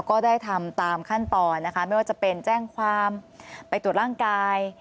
ก็ได้ทำตามขั้นตอนนะคะไม่ว่าจะเป็นแจ้งความไปตรวจร่างกาย